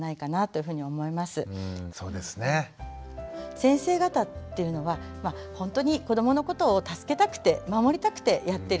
先生方っていうのはほんとに子どものことを助けたくて守りたくてやってる。